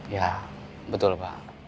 ya betul pak